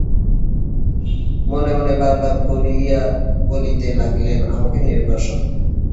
মনে মনে বার বার করিয়া বলিতে লাগিলেন, আমাকে নির্বাসন!